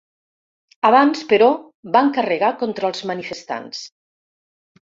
Abans, però, van carregar contra els manifestants.